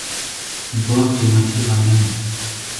دوه قیمتي غمیان